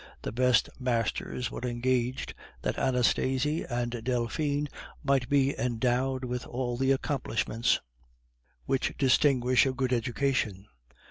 The best masters were engaged, that Anastasie and Delphine might be endowed with all the accomplishments which distinguish a good education.